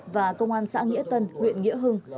và công an xã nghĩa tân huyện nghĩa hưng